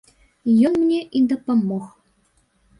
Ён мне і дапамог.